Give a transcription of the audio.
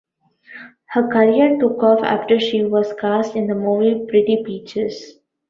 Her career took off after she was cast in the movie "Pretty Peaches".